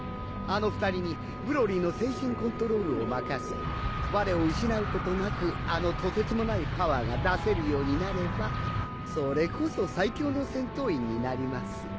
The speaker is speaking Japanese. あの２人にブロリーの精神コントロールを任せわれを失うことなくあのとてつもないパワーが出せるようになればそれこそ最強の戦闘員になります。